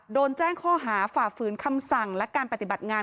โดนแจ้งข้อหาฝ่าฝืนคำสั่งและการปฏิบัติงาน